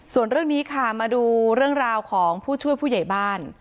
ส่วนเรื่องนี้ค่ะมาดูเรื่องราวของผู้ช่วยผู้ใหญ่บ้าน